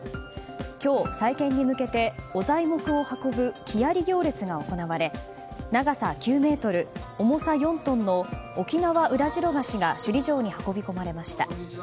今日、再建に向けて御材木を運ぶ木遣行式が行われ、長さ９ｍ重さ４トンのオキナワウラジロガシが首里城に運び込まれました。